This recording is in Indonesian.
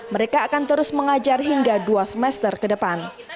mereka akan terus mengajar hingga dua semester ke depan